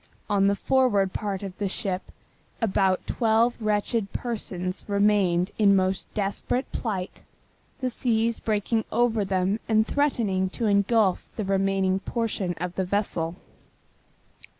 On the forward part of the ship about twelve wretched persons remained in most desperate plight, the seas breaking over them and threatening to engulf the remaining portion of the vessel.